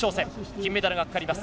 金メダルがかかります。